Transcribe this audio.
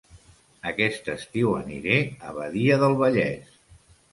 Aquest estiu aniré a Badia del Vallès